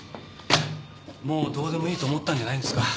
もうどうでもいいと思ったんじゃないんですか？